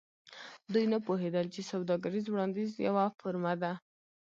دوی نه پوهیدل چې سوداګریز وړاندیز یوه فورمه ده